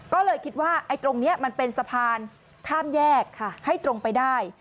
ก็เลยคิดว่าตรงนี้มันเป็นสะพานข้ามแยกให้ตรงไปได้